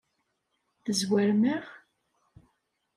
Tezwarem-aɣ?